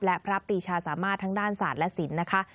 และพระปีชาสามารถทั้งด้านศาสตร์และศิลป์นะคะ